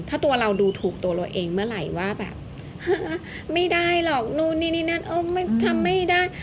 ถ้าตัวเราดูถูกตัวเราเองเมื่อไหร่ว่าแบบไม่ได้หรอกนู่นนี่นี่นั่นเออมันทำไม่ได้